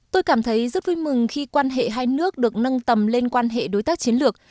tôi cảm thấy rất vui mừng khi quan hệ hai nước được nâng tầm lên quan hệ đối tác chiến lược